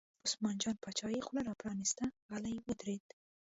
په عثمان جان باچا یې خوله را پرانسته، غلی ودرېد.